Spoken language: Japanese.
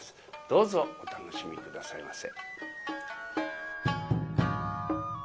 どうぞお楽しみ下さいませ。